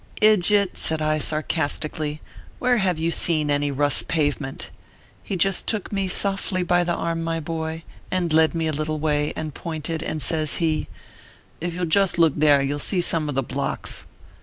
" Id jut !" said I, sarcastically, " where have you seen any Russ pavement ?" He just took me softly by the arm, my boy, and led me a little way, and pointed, and says he : ORPHEUS C. KERK PAPERS. 179 " If you ll just look there, you ll see some of the blocks."